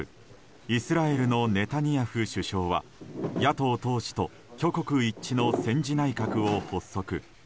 イスラエルのネタニヤフ首相は野党党首と挙国一致の戦時内閣を発足。